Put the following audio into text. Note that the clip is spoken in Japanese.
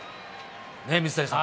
水谷さん。